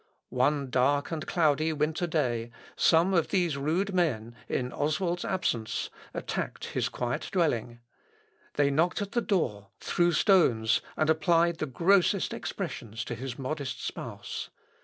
One dark and cloudy winter day, some of these rude men, in Oswald's absence, attacked his quiet dwelling. They knocked at the door, threw stones, and applied the grossest expressions to his modest spouse.